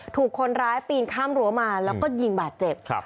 ถูกคนร้ายปีนข้ามรั้วมาแล้วก็ยิงบาดเจ็บ